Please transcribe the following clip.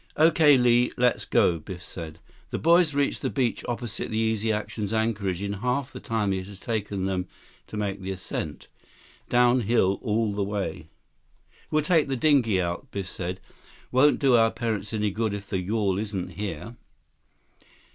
"Okay, Li. Let's go," Biff said. The boys reached the beach opposite the Easy Action's anchorage in half the time it had taken them to make the ascent. Downhill, all the way. "We'll take the dinghy out," Biff said. "Won't do our parents any good if the yawl isn't here."